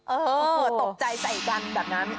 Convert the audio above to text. เออตกใจใจกันแบบนั้น